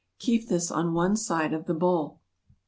Keep this on one side of the bowl.